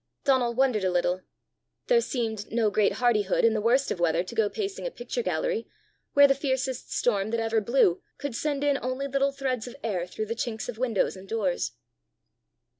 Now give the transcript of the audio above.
Donal wondered a little: there seemed no great hardihood in the worst of weather to go pacing a picture gallery, where the fiercest storm that ever blew could send in only little threads of air through the chinks of windows and doors!